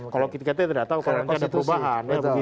kalau kita tidak tahu kalau nanti ada perubahan